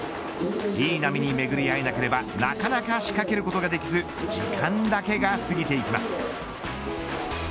いい波に巡り合わなければなかなか仕掛けることができず時間だけが過ぎていきます。